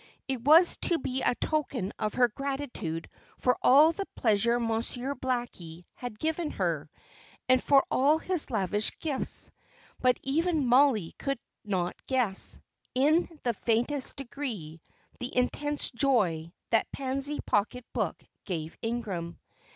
It was to be a token of her gratitude for all the pleasure Monsieur Blackie had given her, and for all his lavish gifts. But even Mollie could not guess, in the faintest degree, the intense joy that pansy pocket book gave Ingram.